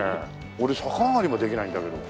俺逆上がりもできないんだけど。